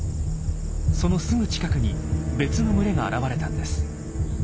そのすぐ近くに別の群れが現れたんです。